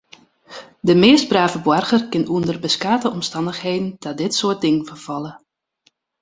De meast brave boarger kin ûnder beskate omstannichheden ta dit soart dingen ferfalle.